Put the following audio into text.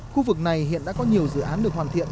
khu vực này hiện đã có nhiều dự án được hoàn thiện